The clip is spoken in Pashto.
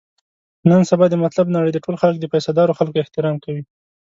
نن سبا د مطلب نړۍ ده، ټول خلک د پیسه دارو خلکو احترام کوي.